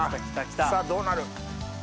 さぁどうなる？